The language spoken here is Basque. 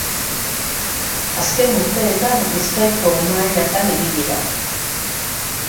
Azken urteetan Bizkaiko mailatan ibili da.